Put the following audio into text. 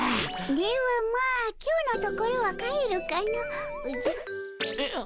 ではまあ今日のところは帰るかの。おじゃ。え？